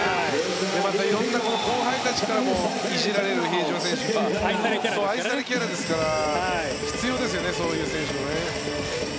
また色んな後輩たちからも比江島選手はいじられる愛されキャラですから必要ですよね、そういう選手も。